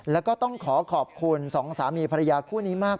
แล้วก็ต้องขอขอบคุณสองสามีภรรยาคู่นี้มาก